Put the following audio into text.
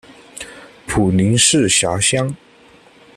普宁市辖乡。